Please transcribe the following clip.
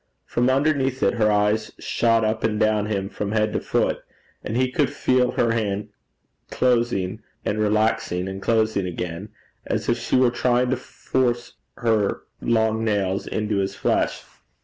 From underneath it her eyes shot up and down him from head to foot, and he could feel her hand closing and relaxing and closing again, as if she were trying to force her long nails into his flesh.